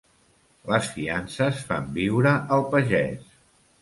Les fiances fan viure el pagès.